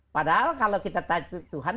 padahal kalau kita tuhan